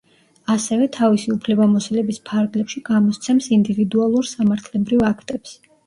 ასევე, თავისი უფლებამოსილების ფარგლებში გამოსცემს ინდივიდუალურ სამართლებრივ აქტებს.